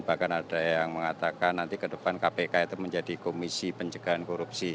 bahkan ada yang mengatakan nanti ke depan kpk itu menjadi komisi pencegahan korupsi